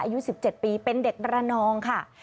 อายุ๑๗ปีเป็นเด็กระนองค่ะ